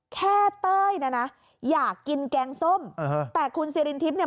แค่เต้ยแนะนะอยากกินแกงส้มอะฮะแต่คุณศรีสิงหาน้ำเนี้ย